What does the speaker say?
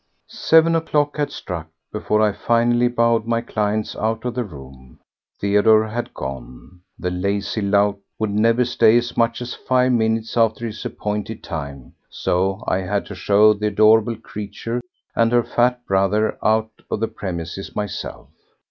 Seven o'clock had struck before I finally bowed my clients out of the room. Theodore had gone. The lazy lout would never stay as much as five minutes after his appointed time, so I had to show the adorable creature and her fat brother out of the premises myself.